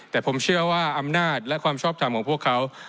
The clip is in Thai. แต่ผมเชื่อว่าอำนาจและความชอบทำของพวกเขา